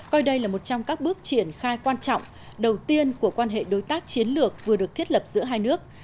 coi đây là một trong các bước triển khai quan trọng đầu tiên của quan hệ đối tác chiến lược vừa được thiết lập giữa hai nước